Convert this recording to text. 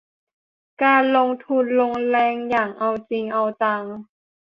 การลงทุนลงแรงอย่างเอาจริงเอาจัง